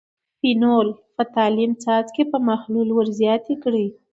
فینول – فتالین څاڅکي په محلول ور زیات کړئ.